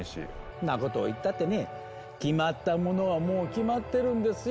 んなこと言ったってね決まったものはもう決まってるんですよ！